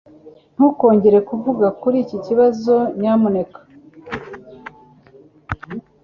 Ntukongere kuvuga kuri iki kibazo, nyamuneka.